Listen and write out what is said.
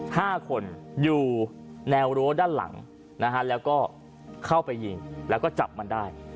ห้าคนอยู่แนวรั้วด้านหลังนะฮะแล้วก็เข้าไปยิงแล้วก็จับมันได้